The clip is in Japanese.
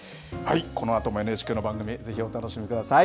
このあともＮＨＫの番組、ぜひお楽しみください。